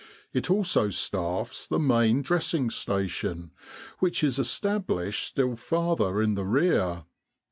It also staffs the Main Dressing Station, which is established still farther in the rear.